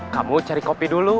kamu cari kopi dulu